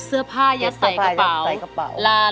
ร้องได้ให้ร้าง